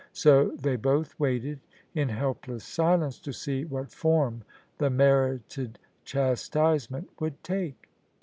So they both waited in helpless silence to see what form the merited chastisement would take.